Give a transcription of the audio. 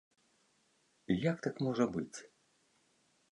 Як так можа быць?